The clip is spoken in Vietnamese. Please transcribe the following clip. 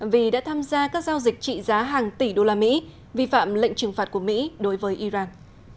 vì đã tham gia các giao dịch trị giá hàng tỷ đô la mỹ vi phạm lệnh trừng phạt của mỹ đối với iran